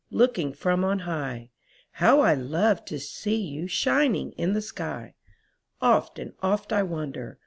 Looking from on high, How I love to see you Shining in the sky. Oft and oft I wonder.